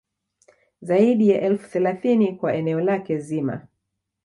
Zaidi ya elfu thelathini kwa eneo lake zima